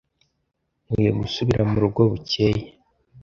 Nkwiye gusubira murugo bukeye.